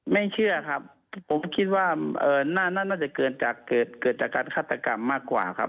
เชื่อครับผมคิดว่าน่าจะเกิดจากเกิดจากการฆาตกรรมมากกว่าครับ